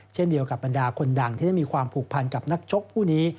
เช่นเดียวกับบรรดาคนดังที่ได้มีความผูกพันกับนักชกผู้นี้